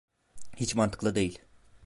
Hiç mantıklı değil.